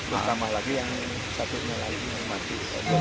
satu hari dulu pertama lagi yang satu ini lagi mati